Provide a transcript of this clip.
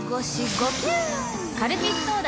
カルピスソーダ！